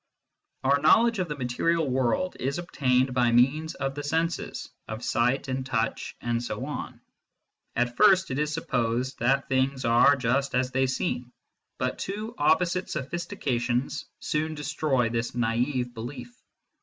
Our knowledge of the material world is obtained by means of the senses, of sight and touch and so on. At first it is supposed that things are just as they seem, but two opposite sophistications soon destroy this naive belief.